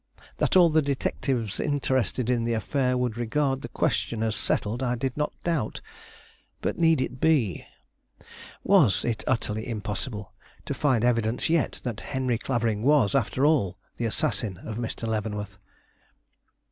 That all the detectives interested in the affair would regard the question as settled, I did not doubt; but need it be? Was it utterly impossible to find evidence yet that Henry Clavering was, after all, the assassin of Mr. Leavenworth?